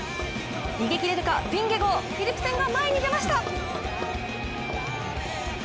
逃げ切れるか、ヴィンゲゴー、フィリプセンが前に出ました。